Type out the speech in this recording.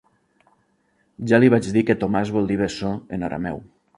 Ja li vaig dir que Tomàs vol dir bessó, en arameu.